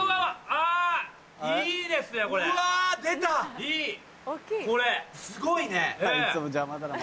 あいつも邪魔だな。